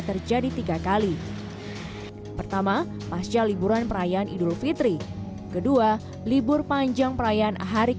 terjadi tiga kali pertama pasca liburan perayaan idul fitri kedua libur panjang perayaan hari